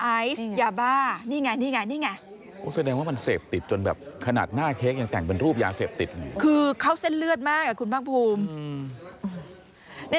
ไอซ์ยาบ้านี่ไง